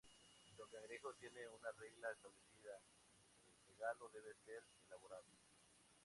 Don Cangrejo tiene una regla establecida: el regalo debe ser elaborado.